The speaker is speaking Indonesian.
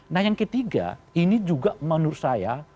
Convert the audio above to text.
nah yang ketiga ini juga menurut saya